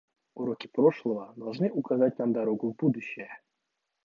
Уроки прошлого должны указать нам дорогу в будущее.